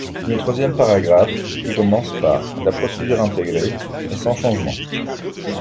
Le troisième paragraphe, qui commence par « La procédure intégrée… » est sans changement.